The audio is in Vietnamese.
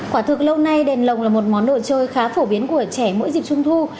quả thực lâu nay đèn lồng là một món đồ chơi khá phổ biến của trẻ mỗi dịp trung thu